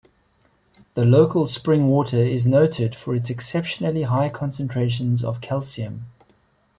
The local spring water is noted for its exceptionally high concentrations of calcium.